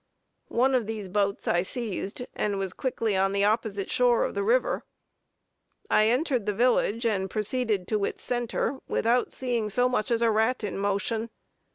One of these boats I seized, and was quickly on the opposite shore of the river. I entered the village and proceeded to its centre, without seeing so much as a rat in motion.